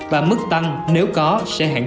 và mức tăng nếu có sẽ tăng